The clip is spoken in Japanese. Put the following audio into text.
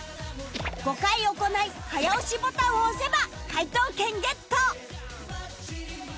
５回行い早押しボタンを押せば解答権ゲット！